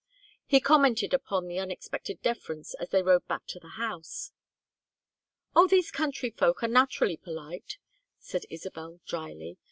He commented upon the unexpected deference as they rode back to the house. "Oh, these country folk are naturally polite," said Isabel, dryly.